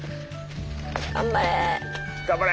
頑張れ！